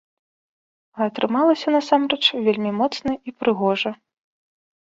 А атрымалася насамрэч вельмі моцна і прыгожа.